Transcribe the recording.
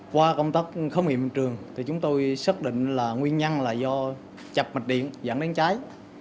qua công tác khám nghiệm trường chúng tôi xác định nguyên nhân là do chập mạch điện dẫn đến cháy